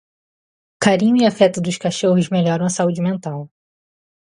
O carinho e afeto dos cachorros melhoram a saúde mental.